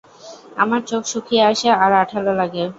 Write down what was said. আমার চোখ শুকিয়ে আসে আর আঠালো লাগে।